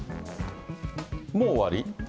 もう終わり？